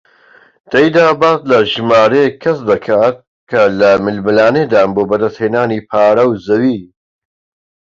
تێیدا باس لە ژمارەیەک کەس دەکات کە لە ململانێدان بۆ بەدەستهێنانی پارە و زەوی